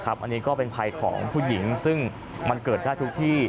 อันนี้ก็เป็นภัยของผู้หญิงซึ่งมันเกิดได้ทุกที่